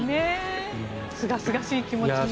すがすがしい気持ちに。